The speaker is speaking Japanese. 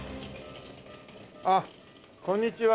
あっこんにちは。